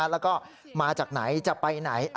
และมาจากไหนจะไปไหน